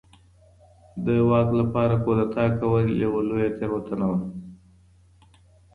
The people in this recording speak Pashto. د واک لپاره کودتا کول یوه لویه تېروتنه وه.